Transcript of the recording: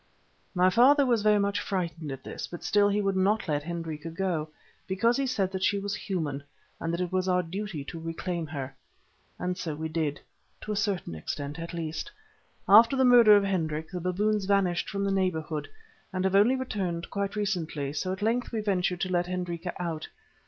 "My father was very much frightened at this, but still he would not let Hendrika go, because he said that she was human, and that it was our duty to reclaim her. And so we did—to a certain extent, at least. After the murder of Hendrik, the baboons vanished from the neighbourhood, and have only returned quite recently, so at length we ventured to let Hendrika out.